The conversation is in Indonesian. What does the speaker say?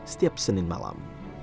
setiap senin malam